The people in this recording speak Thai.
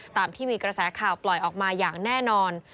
ตามที่มีกระแสข่าวปล่อยออกมาอย่างแน่นอน